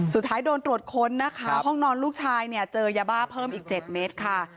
สุดท้ายโดนตรวจค้นห้องนอนลูกชายเจอยาบ้าเพิ่มอีก๗เมตร